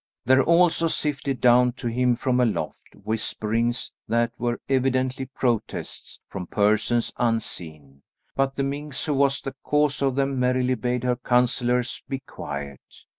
There also sifted down to him from aloft, whisperings that were evidently protests, from persons unseen; but the minx who was the cause of them merrily bade her counsellors be quiet.